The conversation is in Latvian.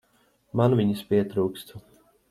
Man viņas pietrūkst.